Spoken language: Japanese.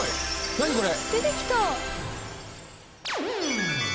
何これ。